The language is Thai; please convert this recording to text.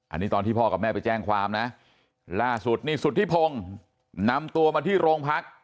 อันนี้ตอนที่พ่อกับแม่ไปแจ้งความนะล่าสุดนี่สุธิพงศ์นำตัวมาที่โรงพัก